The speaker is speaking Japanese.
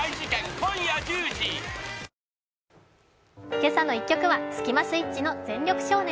「けさの１曲」はスキマスイッチの「全力少年」。